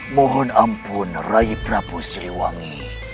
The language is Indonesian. mohon ampun rai prabu siliwangi